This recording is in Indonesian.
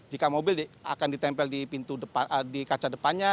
jika mobil akan ditempel di pintu depan di kaca depannya